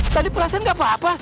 tadi perasaan gak apa apa